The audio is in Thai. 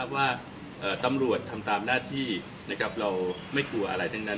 ว่าตำรวจทำตามหน้าที่เราไม่กลัวอะไรทั้งนั้น